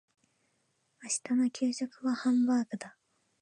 明日の給食はハンバーグだ。